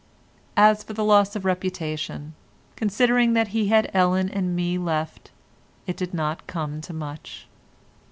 As for the loss of reputation—considering that he had Ellen and me left, it did not come to much.